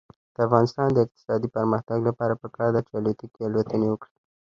د افغانستان د اقتصادي پرمختګ لپاره پکار ده چې الوتکې الوتنې وکړي.